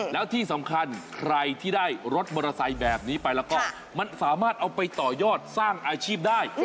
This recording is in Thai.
แล้วที่สำคัญใครที่ได้รถมอเตอร์ไซค์แบบนี้ไปแล้วก็มันสามารถเอาไปต่อยอดสร้างอาชีพได้